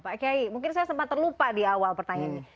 pak kiai mungkin saya sempat terlupa di awal pertanyaannya